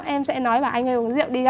em sẽ nói bảo anh ơi uống rượu đi